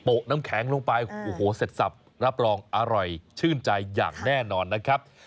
น้ำแข็งลงไปโอ้โหเสร็จสับรับรองอร่อยชื่นใจอย่างแน่นอนนะครับ